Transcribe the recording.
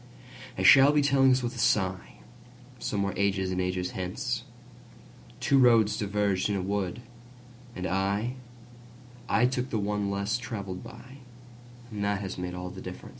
I shall be telling this with a sighSomewhere ages and ages hence:Two roads diverged in a wood, and I—I took the one less traveled by, And that has made all the difference.